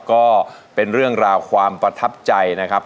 ก็เป็นเรื่องราวความประทับใจนะครับ